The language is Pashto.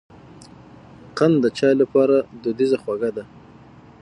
قند د چای لپاره دودیزه خوږه ده.